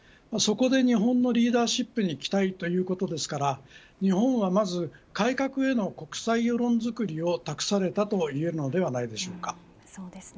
そこで日本のリーダーシップに期待ということですから日本はまず改革への国際世論づくりを拓されたといえるのではないでしょうか。